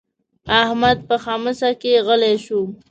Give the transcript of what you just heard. احمد په ښمڅه کې غلی شو.